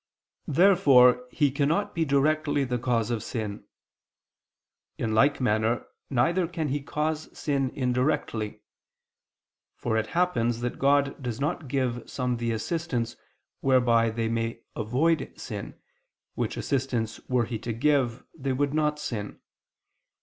Therefore He cannot be directly the cause of sin. In like manner neither can He cause sin indirectly. For it happens that God does not give some the assistance, whereby they may avoid sin, which assistance were He to give, they would not sin.